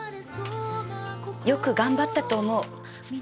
よく頑張ったと思う。